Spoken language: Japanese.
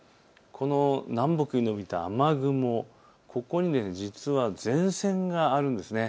南北に延びた雨雲、ここに実は前線があるんです。